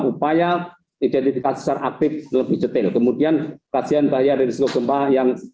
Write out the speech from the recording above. upaya identifikasi secara aktif lebih detail kemudian kajian bahaya risiko gempa yang